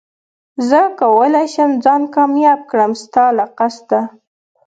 زه کولي شم ځان کامياب کړم ستا له قصده